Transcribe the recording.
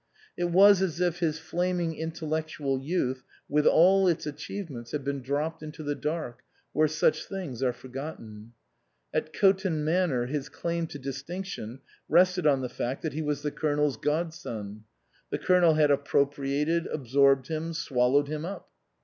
It was as if his flaming intellectual youth, with all its achievements, had been dropped into the dark, where such things are forgotten. At Coton Manor his claim to distinction rested on the fact that he was the Colonel's godson. The Colonel had appropriated, absorbed him, swallowed him up.